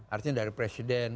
artinya dari presiden